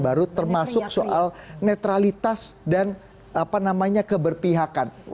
baru termasuk soal netralitas dan apa namanya keberpihakan